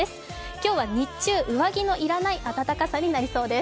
今日は日中、上着のいらない暖かさになりそうです。